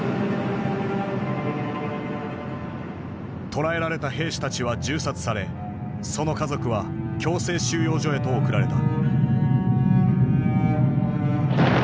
捕らえられた兵士たちは銃殺されその家族は強制収容所へと送られた。